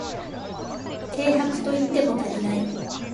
軽薄と言っても足りない